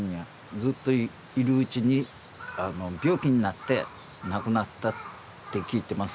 ずっといるうちに病気になって亡くなったって聞いてます。